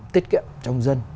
tiết kiệm trong dân